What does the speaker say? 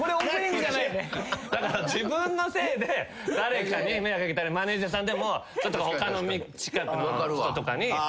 だから自分のせいで誰かに迷惑かけたりマネージャーさんでも他の近くの人とかに。ああ。